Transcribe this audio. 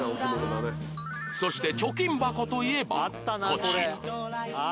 そして貯金箱といえばこちら